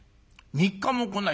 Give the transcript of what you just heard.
３日も来ない。